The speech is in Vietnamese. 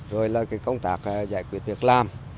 rồi công tác giải quyết việc làm